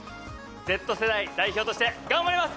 Ｚ世代代表として頑張ります！